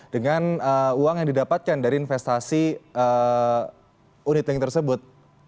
dengan uang yang didapatkan dari investasi unitlink tersebut